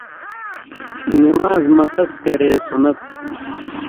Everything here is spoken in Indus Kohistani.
نِوان٘ز مہ قص کرے سُنت